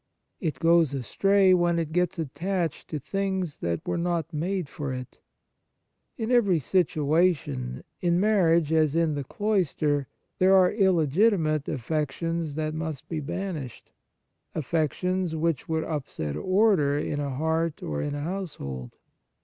It goes astray when it gets attached to things that were not made for it ; in every situation, in marriage as in the cloister, there are illegitimate affec tions that must be banished — affec tions which would upset order in a heart or in a household.